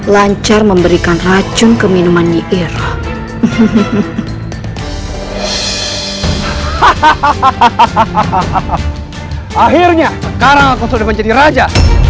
lancar memberikan racun ke minuman mie iraha akhirnya sekarang aku sudah menjadi raja